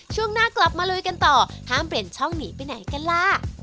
ช่วงหน้ากลับมาลุยกันต่อห้ามเปลี่ยนช่องหนีไปไหนกันล่ะ